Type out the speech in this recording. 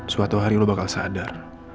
suatu hari lo bakal sadar